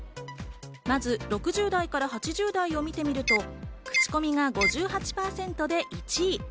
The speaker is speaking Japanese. まず６０代から８０代を見てみると、口コミが５８％で１位。